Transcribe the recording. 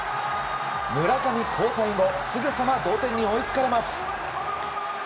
村上交代後、すぐさま同点に追いつかれます。